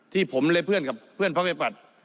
ที่ผมและเพื่อนกับเพื่อนพระวิปัตย์